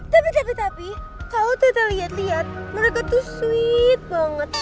tapi tapi tapi kalo tata liat liat mereka tuh sweet banget